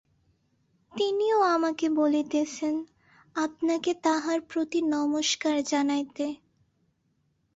তিনিও আমাকে বলিতেছেন, আপনাকে তাঁহার প্রতিনমস্কার জানাইতে।